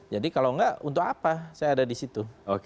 jadi kalau enggak untuk apa saya ada di situ